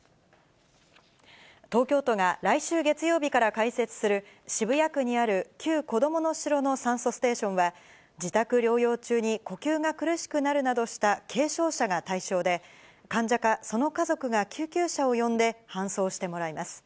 東京都が来週月曜日から開設する渋谷区にある、旧こどもの城の酸素ステーションは、自宅療養中に呼吸が苦しくなるなどした軽症者が対象で、患者かその家族が救急車を呼んで搬送してもらいます。